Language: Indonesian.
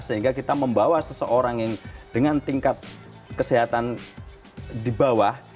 sehingga kita membawa seseorang yang dengan tingkat kesehatan di bawah